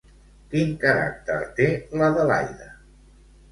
Quin caràcter té l'Adelaida?